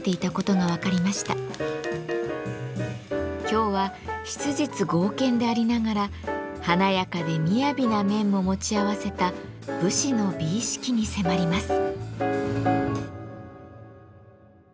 今日は質実剛健でありながら華やかでみやびな面も持ち合わせた武士の美意識に迫ります。